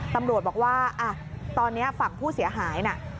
ตำรวจบอกว่าตอนนี้ฝั่งผู้เสียหายนะ